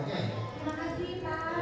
terima kasih pak